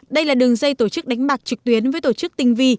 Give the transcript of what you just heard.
đây là đường dây tổ chức đánh bạc trực tuyến với tổ chức tinh vi